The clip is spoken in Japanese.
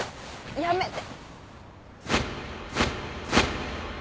やめて。